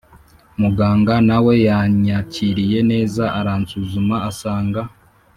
Muganga na we yanyakiriye neza, aransuzuma asanga